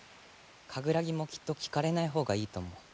カグラギもきっと聞かれないほうがいいと思う。